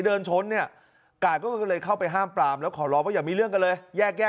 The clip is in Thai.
เดินชนเนี่ยกาดก็เลยเข้าไปห้ามปรามแล้วขอร้องว่าอย่ามีเรื่องกันเลยแยกแยก